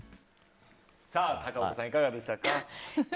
高岡さん、いかがでしたか？